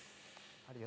あるよ